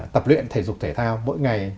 tập luyện thể dục thể thao mỗi ngày